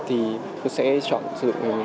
thì tôi sẽ chọn sử dụng